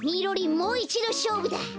もういちどしょうぶだ。